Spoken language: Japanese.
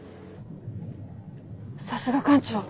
さすが艦長。